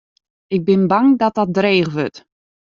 Ik bin bang dat dat dreech wurdt.